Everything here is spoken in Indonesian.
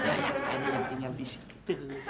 udah yang lainnya tinggal di situ